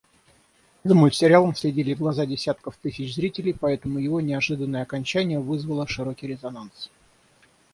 За мультсериалом следили глаза десятков тысяч зрителей, поэтому его неожиданное окончание вызвало широкий резонанс.